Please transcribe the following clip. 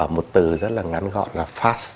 một từ rất là ngắn gọn là fast